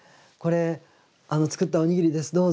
これ作ったおにぎりです。